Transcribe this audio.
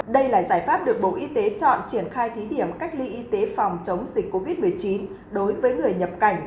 đây là giải pháp được bộ y tế chọn triển khai thí điểm cách ly y tế phòng chống dịch covid một mươi chín đối với người nhập cảnh